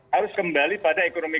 harus kembali pada ekonomi